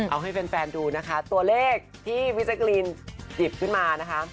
เอาให้แฟนดูนะคะตัวเลขที่พี่แจ๊กรีนหยิบขึ้นมานะคะ